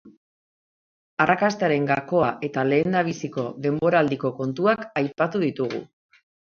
Arrakastaren gakoa eta lehendabiziko denboraldiko kontuak aipatu ditugu.